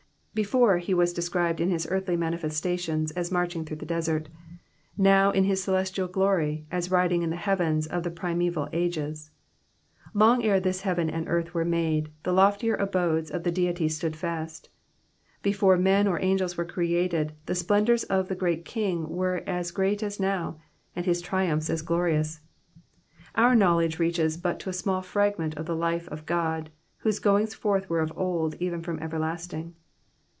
'''' Before, he was described in his earthly manifestations, as marching through the desert ; now, in his celestial glory, as riding in the heavens of the primeval ages. Long ere this heaven and earth were made, the loftier abodes of the Deity stood fast ; before men or angels were created, the splendours of the Great Kmg were as great as now, and bis triumphs as glorious. Our knowledge reaches but to a small fragment of the life of God, whose goings forth were of old, even from everlasting.''